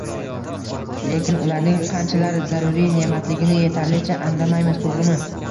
— Lekin ularning qanchalar zaruriy ne’matligini yetarlicha anglamaymiz, to’g’rimi?